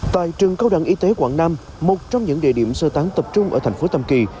tại trường cao đẳng y tế quảng nam một trong những địa điểm sơ tán tập trung ở thành phố tam kỳ